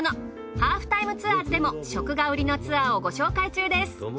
『ハーフタイムツアーズ』でも食が売りのツアーをご紹介中です。